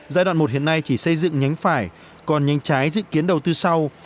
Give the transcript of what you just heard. giai đoạn một hiện nay chỉ xây dựng nhánh phải còn nhánh trái dự kiến đầu tư sau